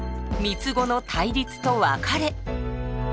三つ子の対立と別れ。